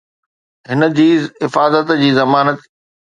هن جي حفاظت جي ضمانت